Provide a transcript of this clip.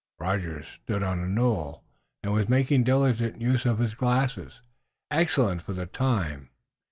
Rogers stood on a knoll, and he was making diligent use of his glasses, excellent for the time.